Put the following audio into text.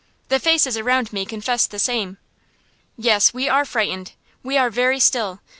The faces around me confessed the same. Yes, we are frightened. We are very still.